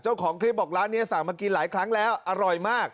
เจ้าของคลิปบอกร้านนี้สั่งมากินหลายครั้งแล้วอร่อยมาก